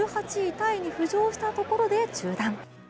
タイに浮上したところで中断。